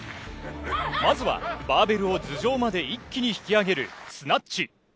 まずは、バーベルを頭上まで一気に引き上げるスナッチ。